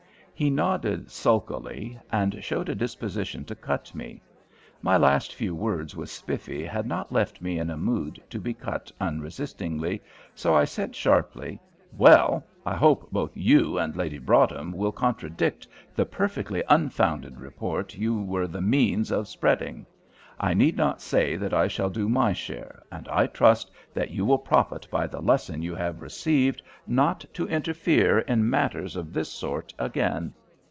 He nodded sulkily, and showed a disposition to cut me. My last few words with Spiffy had not left me in a mood to be cut unresistingly, so I said sharply, "Well, I hope both you and Lady Broadhem will contradict the perfectly unfounded report you were the means of spreading. I need not say that I shall do my share, and I trust that you will profit by the lesson you have received not to interfere in matters of this sort again."